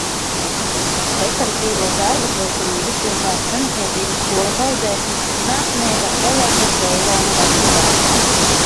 Dekoratīvos darbus veica Rīgas pilsētas amatniecības skolas audzēkņi mākslinieka Elerta Treilona vadībā.